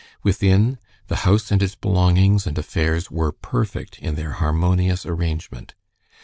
Within, the house and its belongings and affairs were perfect in their harmonious arrangement.